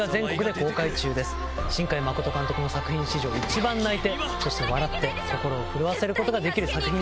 新海誠監督の作品史上一番泣いてそして笑って心を震わせることができる作品です。